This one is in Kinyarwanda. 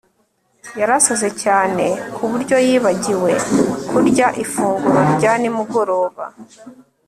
Yarasaze cyane kuburyo yibagiwe kurya ifunguro rya nimugoroba